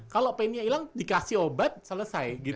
kalau pennya ilang dikasih obat selesai gitu ya